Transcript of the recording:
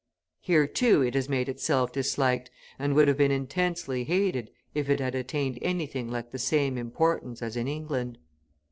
Here, too, it has made itself disliked, and would have been intensely hated if it had attained anything like the same importance as in England.